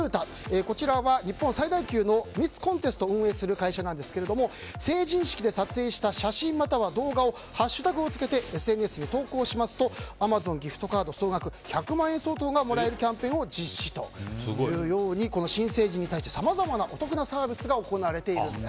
こちらは日本最大級のミスコンテンストを開催する会社ですが成人式で撮影した写真、または動画をハッシュタグをつけてＳＮＳに投稿するとアマゾンギフトカード総額１００万円総統がもらえるキャンペーンを実施ということで新成人に対してお得なサービスが行われています。